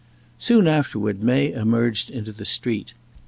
Soon afterward May emerged into the street.